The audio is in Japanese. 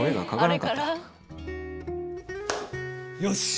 よし！